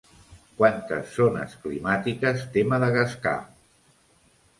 Quantes zones climàtiques té Madagascar?